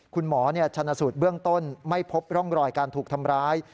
คุณหมอชนสูตรเบื้องต้นไม่พบร่องรอยการถูกทำร้าย